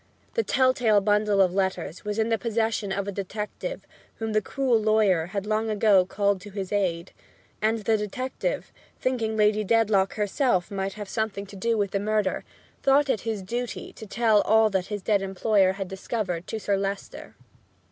The telltale bundle of letters was in the possession of a detective whom the cruel lawyer had long ago called to his aid, and the detective, thinking Lady Dedlock herself might have had something to do with the murder, thought it his duty to tell all that his dead employer had discovered to Sir Leicester.